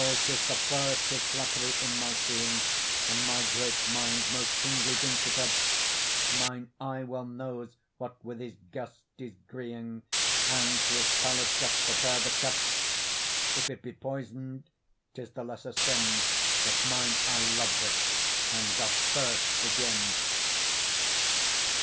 'tis the first, 'tis flattery in my seeing, And my great mind most kingly drinks it up: Mine eye well knows what with his gust is 'greeing, And to his palate doth prepare the cup: If it be poison'd, 'tis the lesser sin That mine eye loves it and doth first begin.